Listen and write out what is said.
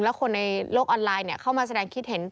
แล้วคนในโลกออนไลน์เข้ามาแสดงความคิดเห็น